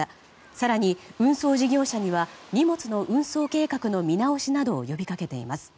更に、運送事業者には荷物の運送計画の見直しなどを呼びかけています。